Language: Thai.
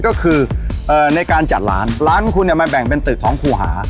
ก็คือในการจัดร้านร้านของคุณเนี่ยมาแบ่งเป็นตึกสองคู่หา